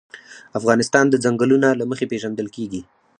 افغانستان د ځنګلونه له مخې پېژندل کېږي.